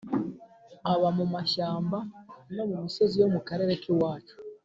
iba mu mashyamba no mu misozi yo mu karere k iwacu